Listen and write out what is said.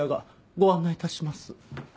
ご案内致します。